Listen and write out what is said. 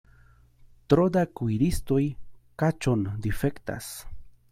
Tro da kuiristoj kaĉon difektas.